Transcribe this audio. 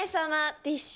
ティッシュ。